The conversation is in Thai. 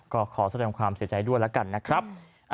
ก็ขอแสดงความเสียใจด้วยแล้วกันนะครับ